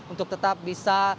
untuk tetap bisa